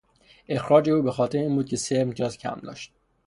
اخراج او به خاطر این بود که سه امتیاز کم داشت.